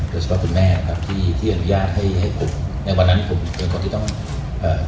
คุณแม่ครับที่ที่อนุญาตให้ให้ผมในวันนั้นผมเป็นคนที่ต้องเอ่อ